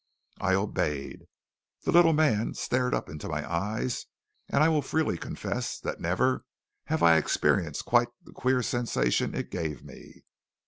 I obeyed. The little man stared up into my eyes, and I will freely confess that never have I experienced quite the queer sensation it gave me.